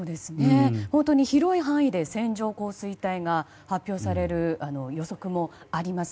本当に広い範囲で線状降水帯が発表される予測もあります。